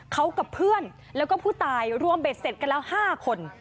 เขากับเพื่อนแล้วก็ผู้ตายรวมเบ็ดเสร็จกันแล้ว๕คน